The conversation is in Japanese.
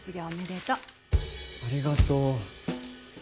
ありがとう。